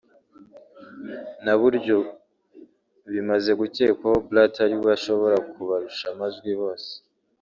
na buryo bimaze gukekwa ko Blatter ari we ashobora kubarusha amajwi bose